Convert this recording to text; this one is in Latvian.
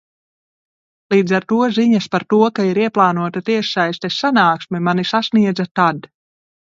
Līdz ar to ziņas par to, ka ir ieplānota tiešsaistes sanāksme, mani sasniedza tad.